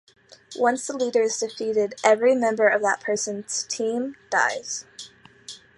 Once the leader is defeated, every member of that person's team dies.